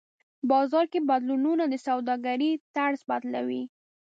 بازار کې بدلونونه د سوداګرۍ طرز بدلوي.